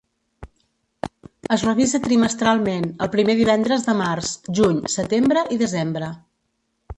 Es revisa trimestralment, el primer divendres de març, juny, setembre i desembre.